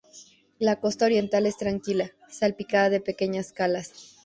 La costa oriental es tranquila, salpicada de pequeñas calas.